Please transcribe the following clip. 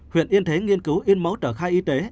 huyện yên thế nghiên cứu in mẫu tờ khai y tế